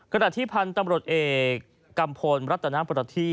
กระดาษที่พันธ์ตำรวจเอกกัมพลรัฐนักประทิ